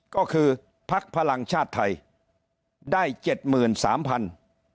ก็คือภักดิ์พลังชาติไทยได้เจ็ดหมื่นสามพันธุ์